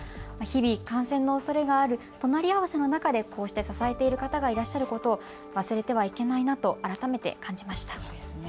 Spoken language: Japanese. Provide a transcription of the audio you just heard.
日々、感染のおそれがある隣り合わせの中でこうして支えている方がいらっしゃることを忘れてはいけないなと改めて感じました。